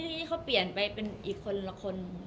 ทีนี้เขาเปลี่ยนไปเป็นอีกคนละคน